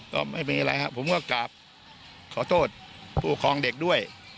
ก็ไม่มีอะไรครับผมก็กราบขอโทษผู้ปกครองเด็กด้วย